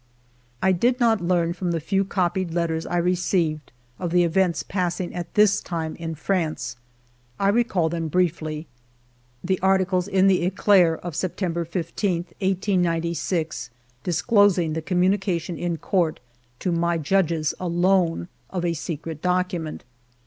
I did not learn from the few copied letters I received of the events passing at this time in France. I recall them briefly :— The articles in the Eclair of September 15, 18965 disclosing the communication in court, to my judges alone, of a secret document.